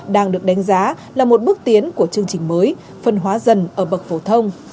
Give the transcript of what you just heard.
đang được đánh giá là một bước tiến của chương trình mới phân hóa dần ở bậc phổ thông